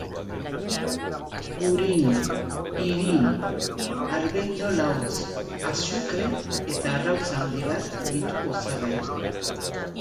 Gurin, irin, arbendol-hauts, azukre eta arrautza handi bat ditu osagaiak.